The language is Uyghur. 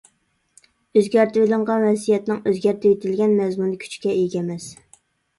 ئۆزگەرتىۋېلىنغان ۋەسىيەتنىڭ ئۆزگەرتىۋېتىلگەن مەزمۇنى كۈچكە ئىگە ئەمەس.